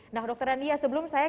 nah dokter nadia sebelum saya